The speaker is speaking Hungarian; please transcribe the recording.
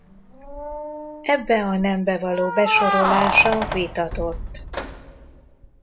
Ebbe a nembe való besorolása vitatott.